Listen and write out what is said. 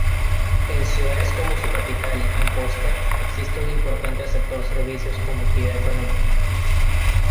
En ciudades como su capital, Amposta, existe un importante sector servicios como actividad económica.